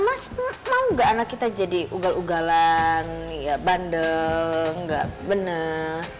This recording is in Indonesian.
mas mau gak anak kita jadi ugal ugalan bandel enggak bener